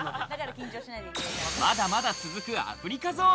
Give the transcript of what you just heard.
まだまだ続くアフリカゾーン。